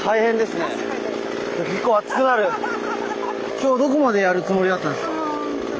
今日はどこまでやるつもりだったんですか？